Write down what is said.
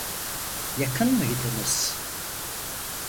Yakın mıydınız?